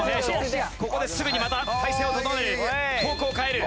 ここですぐにまた体勢を整える。